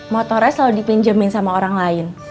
motornya selalu dipinjemin sama orang lain